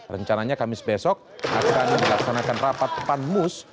rencananya kamis besok akan dilaksanakan rapat panmus